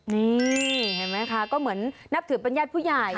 นี่เห็นไหมคะก็เหมือนนับถือเป็นญาติผู้ใหญ่